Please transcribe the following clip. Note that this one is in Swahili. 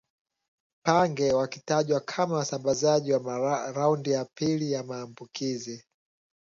pange wakitajwa kama wasambazaji wa raundi ya pili ya maambukizi